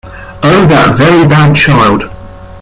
Oh, that very bad child!